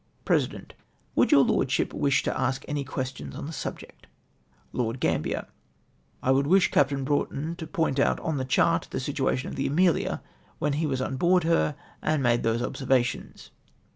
President. —" Would your Lordship wish to ask any questions on the subject?" Lord GtAmbier. —" I would wish Capt. Broughton to point out on the chart the situation of the Amelia when he was on board her and made those observations